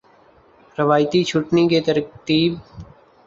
روایتی چھٹنی کی ترتیب